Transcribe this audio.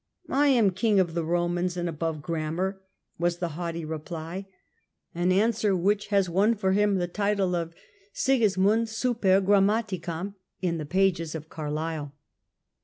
" I am King of the Romans and above grammar," was the haughty reply; an answer which has won for him the title of " Sigismund super gram maticam " in the pages of Carlyle.